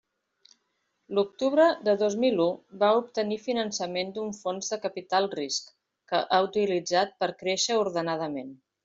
L'octubre de dos mil u va obtenir finançament d'un fons de capital risc, que ha utilitzat per créixer ordenadament.